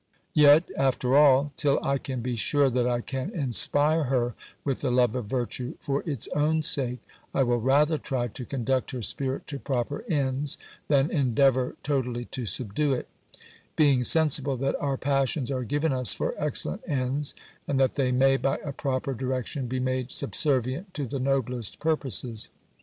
Yet, after all, till I can be sure that I can inspire her with the love of virtue, for its own sake, I will rather try to conduct her spirit to proper ends, than endeavour totally to subdue it; being sensible that our passions are given us for excellent ends, and that they may, by a proper direction, be made subservient to the noblest purposes.